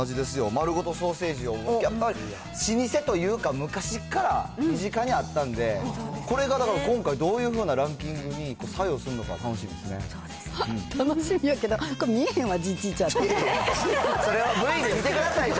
まるごとソーセージを、やっぱり老舗というか、昔から身近にあったので、これがだから今回、どういうふうなランキングに作用するのか、楽楽しみやけど、これ見えへんわ。